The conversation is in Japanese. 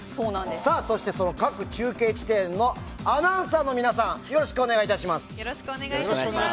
そして、その各中継地点のアナウンサーの皆さんよろしくお願いします。